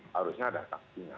harusnya ada sanksinya